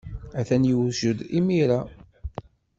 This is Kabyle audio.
Atan yewjed imir-a.